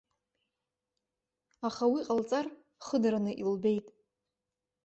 Аха уи ҟалҵар, хыдараны илбеит.